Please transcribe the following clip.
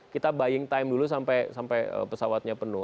kita buying time dulu sampai pesawatnya penuh